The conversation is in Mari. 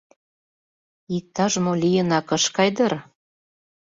Иктаж-мо лийынак ыш кай дыр?!